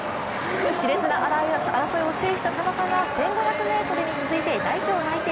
しれつな争いを制した田中が１５００ｍに続いて代表内定。